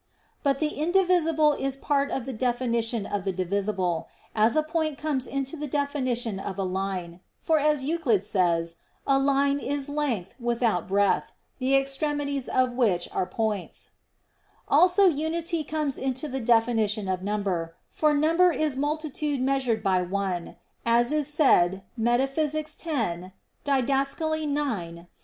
But the indivisible is part of the definition of the divisible; as a point comes into the definition of a line; for as Euclid says, "a line is length without breadth, the extremities of which are points"; also unity comes into the definition of number, for "number is multitude measured by one," as is said Metaph. x, Did. ix, 6.